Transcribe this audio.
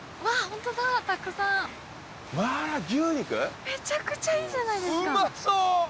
麻辣牛肉めちゃくちゃいいじゃないですか